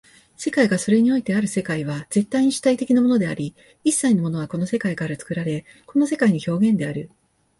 世界がそれにおいてある世界は絶対に主体的なものであり、一切のものはこの世界から作られ、この世界の表現である。